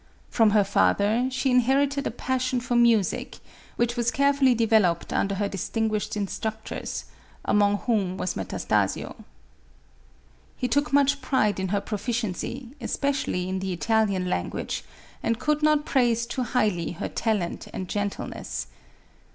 From her father, she inherited a passion for music, which was carefully developed under her dis tinguished instructors, among whom was Metastasio. He took much pride in her proficiency, especially in the Italian language, and could not praise too highly her talent and gentleness.